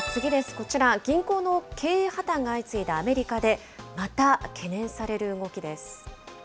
こちら、銀行の経営破綻が相次いだアメリカで、また懸念される動きです。